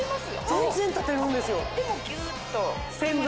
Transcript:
全然立てるんですよ